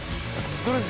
これです。